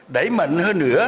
đẩy mạnh hơn nữa